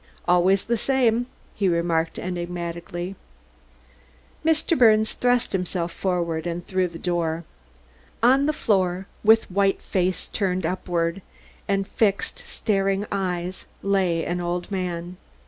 "Always the same," he remarked enigmatically. Mr. Birnes thrust himself forward and through the door. On the floor, with white face turned upward, and fixed, staring eyes, lay an old man.